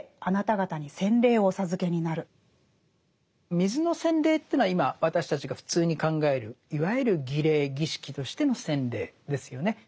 水の洗礼というのは今私たちが普通に考えるいわゆる儀礼儀式としての洗礼ですよね。